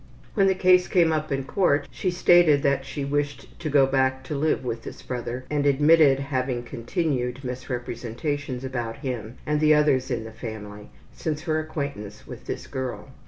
When the case came up in court she stated she wished to go back to live with this brother and admitted having continued misrepresentations about him and the others in the family since her acquaintance with this girl.